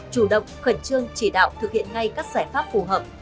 chủ động khẩn trương chỉ đạo thực hiện ngay các giải pháp phù hợp